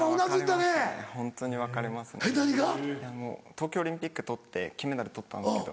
東京オリンピック取って金メダル取ったんですけど。